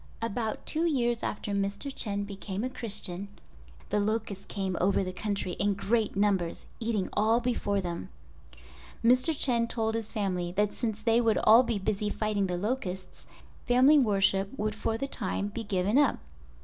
About two years after Mr. Chen became a Christian the locusts came over the country in great numbers, eating all before them. Mr. Chen told his family that since they would all be busy fighting the locusts, family worship would for the time be given up.